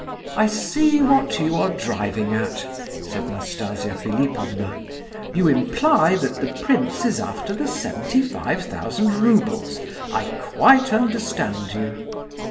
"I see what you are driving at," said Nastasia Philipovna. "You imply that the prince is after the seventy five thousand roubles—I quite understand you.